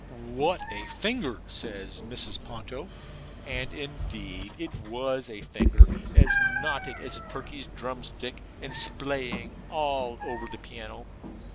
'What a finger!' says Mrs. Ponto; and indeed it WAS a finger, as knotted as a turkey's drumstick, and splaying all over the piano.